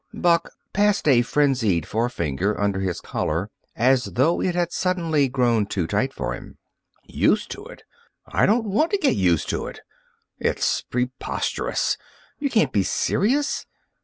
Buck passed a frenzied forefinger under his collar, as though it had suddenly grown too tight for him. "Used to it! I don't want to get used to it! It's preposterous! You can't be serious!